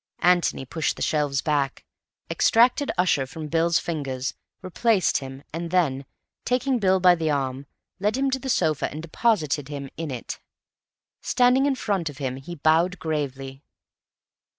Antony pushed the shelves back, extracted Ussher from Bill's fingers, replaced him, and then, taking Bill by the arm, led him to the sofa and deposited him in it. Standing in front of him, he bowed gravely.